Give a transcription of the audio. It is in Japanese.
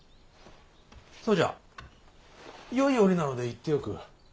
そうじゃよい折なので言っておく。